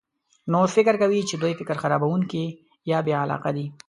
نور فکر کوي چې دوی فکر خرابونکي یا بې علاقه دي.